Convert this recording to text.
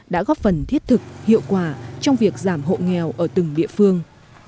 đã góp phần thiết thực hiệu quả trong việc giảm hộ nghèo ở từng địa phương